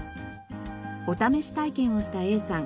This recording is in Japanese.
お試し体験をしたＡさん。